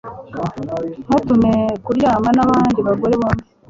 Ntuntume kuryamana nabandi bagore bombi